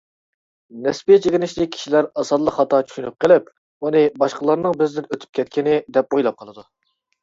نىسپىي چېكىنىشنى كىشىلەر ئاسانلا خاتا چۈشىنىپ قېلىپ، ئۇنى «باشقىلارنىڭ بىزدىن ئۆتۈپ كەتكىنى» دەپ ئويلاپ قالىدۇ.